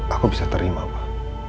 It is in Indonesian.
aku bisa terima pak